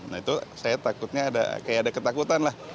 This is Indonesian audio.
nah itu saya takutnya ada kayak ada ketakutan lah